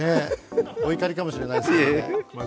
お怒りかもしれないですね。